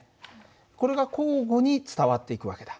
これが交互に伝わっていく訳だ。